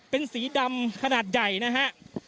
เป็นสีดำขนาดใหญ่นะฮะ